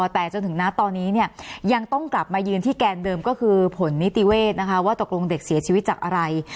แต่จนถึงณตอนนี้เนี่ยยังต้องกลับมายืนที่แกนเดิมก็คือผลนิติเวศนะคะว่าตกลงเด็กเสียชีวิตจากอะไร